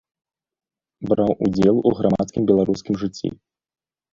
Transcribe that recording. Браў удзел у грамадскім беларускім жыцці.